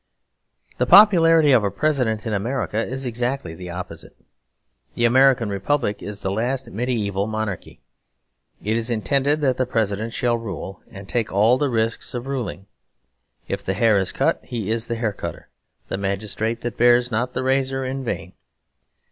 The popularity of a President in America is exactly the opposite. The American Republic is the last mediaeval monarchy. It is intended that the President shall rule, and take all the risks of ruling. If the hair is cut he is the haircutter, the magistrate that bears not the razor in vain.